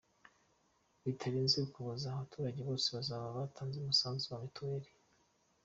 Bitarenze Ukuboza abaturage bose bazaba batanze umusanzu wa Mitiweli